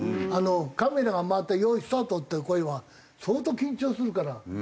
カメラが回って「用意スタート」っていう声は相当緊張するから。